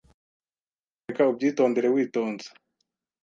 Nyamuneka ubyitondere witonze.